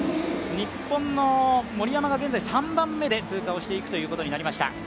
日本の森山が現在３番目で通過していくことになりました。